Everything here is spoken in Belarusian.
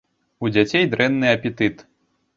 У дзяцей дрэнны апетыт.